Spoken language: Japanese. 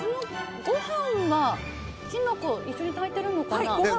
ご飯はキノコと一緒に炊いてるのかな。